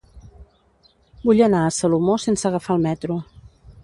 Vull anar a Salomó sense agafar el metro.